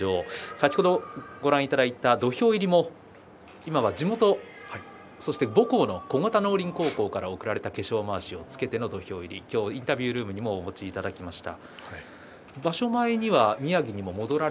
先ほどご覧いただいた土俵入りも今は地元、そして母校の小牛田農林高校から贈られた化粧まわしをつけての土俵入りインタビュールームにもお持ちいただきました。